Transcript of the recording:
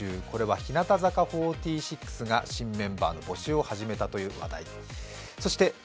これは日向坂４６が新メンバーの募集を始めたたという話題。